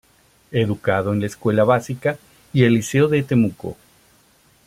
Educado en la Escuela Básica y el Liceo de Temuco.